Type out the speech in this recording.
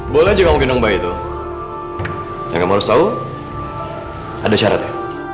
boleh aja kamu gendong mbak itu yang kamu harus tahu ada syaratnya